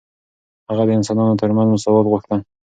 هغه د انسانانو ترمنځ مساوات غوښتل.